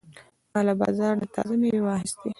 ما له بازار نه تازه مېوې واخیستې.